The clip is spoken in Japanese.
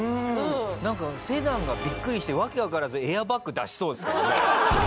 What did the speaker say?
なんかセダンがビックリして訳わからずエアバッグ出しそうですよね。